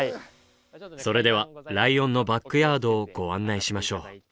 それではライオンのバックヤードをご案内しましょう。